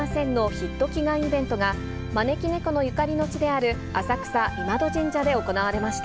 ヒット祈願イベントが、招き猫のゆかりの地である浅草・今戸神社で行われました。